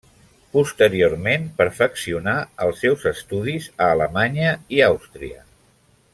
Posteriorment perfeccionà els seus estudis a Alemanya i Àustria.